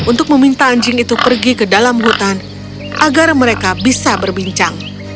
untuk meminta anjing itu pergi ke dalam hutan agar mereka bisa berbincang